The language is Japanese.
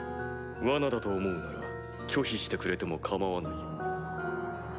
罠だと思うなら拒否してくれても構わないよ。